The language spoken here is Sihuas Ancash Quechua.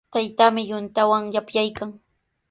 Taytaami yuntawan yapyaykan.